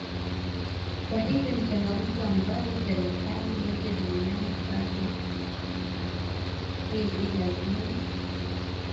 kwa hiyo ni changamoto ambazo serikali yoyote duniani sasa hivi lazima